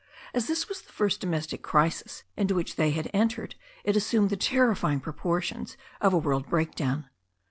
As this was the first domestic crisis into which they had entered it assumed the terrifying proportions of a world break down.